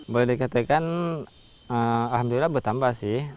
boleh dikatakan alhamdulillah bertambah sih